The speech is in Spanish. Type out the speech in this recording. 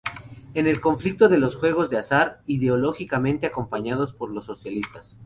En el conflicto de los juegos de azar, ideológicamente acompañados por los socialistas.